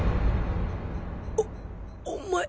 おお前